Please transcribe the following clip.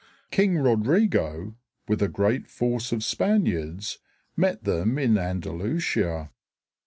King Rodrigo, with a great force of Spaniards, met them in Andalusia.